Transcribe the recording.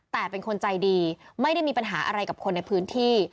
แต่เป็นคนใจดีไม่ได้มีปัญหาอะไรกับคนในพื้นที่